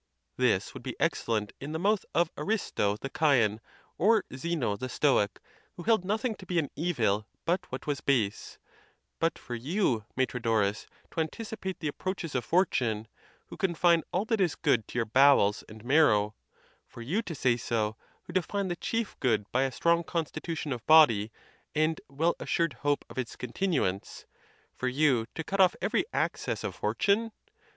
This would be excellent in the mouth of Aristo the Chian, or Zeno the Stoic, who held nothing to be an evil but what was base; but for you, Metrodorus, to anticipate the approaches of fortune, who confine all that is good to your bowels and mar row—for you to say so, who define the chief good by a strong constitution of body, and well assured hope. of its continuance—for you to cut off every access of fortune!